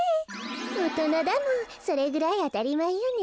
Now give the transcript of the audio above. おとなだもんそれぐらいあたりまえよね。